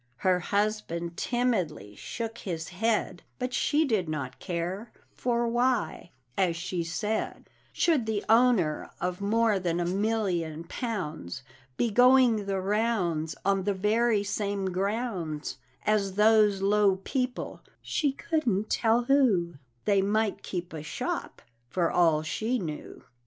Her husband timidly shook his head; But she did not care "For why," as she said, "Should the owner of more than a million pounds Be going the rounds On the very same grounds As those low people, she couldn't tell who, They might keep a shop, for all she knew."